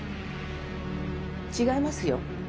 違いますよ